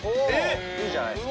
いいじゃないですか。